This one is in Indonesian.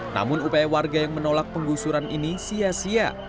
namun upaya warga yang menolak penggusuran ini sia sia